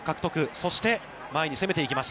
そして、前に攻めていきます。